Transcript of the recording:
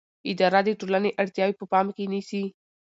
اداره د ټولنې اړتیاوې په پام کې نیسي.